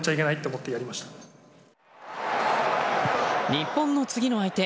日本の次の相手